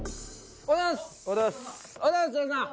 おはようございます津田さん